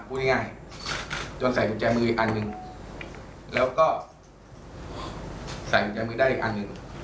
พูดง่ายจนใส่กุญแจมืออีกอันหนึ่งแล้วก็ใส่กุญแจมือได้อีกอันหนึ่ง